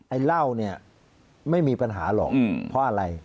เหล้าเนี่ยไม่มีปัญหาหรอกเพราะอะไร